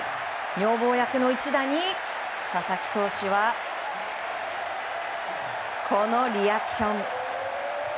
女房役の一打に佐々木投手はこのリアクション。